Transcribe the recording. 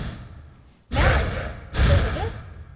C. MELLINGER, ELIZABETH.